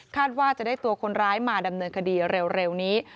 ว่าจะได้ตัวคนร้ายมาดำเนินคดีเร็วนี้